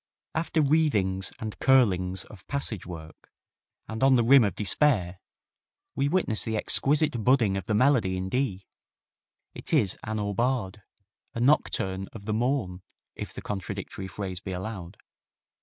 After wreathings and curlings of passage work, and on the rim of despair, we witness the exquisite budding of the melody in D. It is an aubade, a nocturne of the morn if the contradictory phrase be allowed.